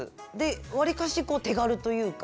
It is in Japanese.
わりかし手軽というか。